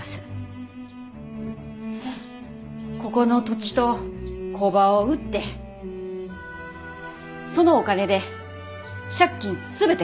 ここの土地と工場を売ってそのお金で借金全て返せます。